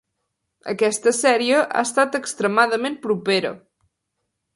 Aquesta sèrie ha estat extremadament propera.